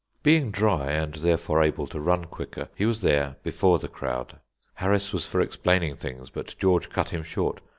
Being dry, and therefore able to run quicker, he was there before the crowd. Harris was for explaining things, but George cut him short.